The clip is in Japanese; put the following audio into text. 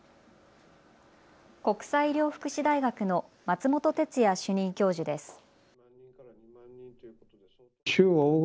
国際医療福祉大学の松本哲哉主任教授です。